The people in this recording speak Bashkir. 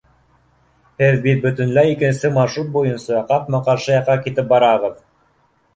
— Һеҙ бит бөтөнләй икенсе маршрут буйынса, ҡапма-ҡаршы яҡҡа китеп барағыҙ!